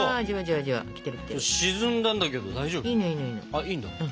あいいんだ。